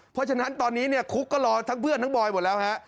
เพราะฉะนั้นตอนนี้เนี่ยคุกก็รอทั้งเพื่อนทั้งบอยหมดแล้วฮะ